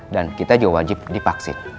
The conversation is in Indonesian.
dan kita juga wajib dipaksin